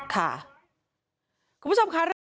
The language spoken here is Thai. ค่ะคุณผู้ชมค่ะเรื่องนี้